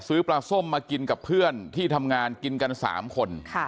ซื้อปลาส้มมากินกับเพื่อนที่ทำงานกินกัน๓คน